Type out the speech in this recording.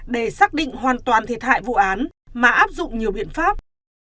để xác định hoàn toàn thiệt hại vụ án mà áp dụng nhiều biện pháp